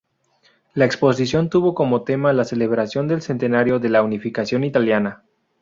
La exposición tuvo como tema la celebración del centenario de la Unificación italiana.